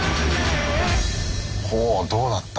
ほうどうなった？